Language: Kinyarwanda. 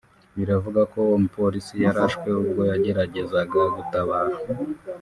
Biravugwa ko uwo mupolisi yarashwe ubwo yageragezaga gutabara